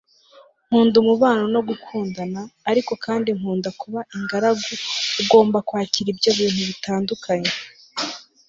nkunda umubano no gukundana, ariko kandi nkunda kuba ingaragu - ugomba kwakira ibyo bintu bitandukanye